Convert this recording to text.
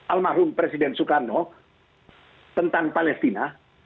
almarhum presiden soekarno tentang palestina